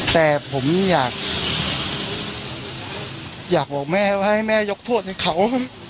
แต่ผมอยากบอกแม่ว่าให้แม่ยกโทษให้เขา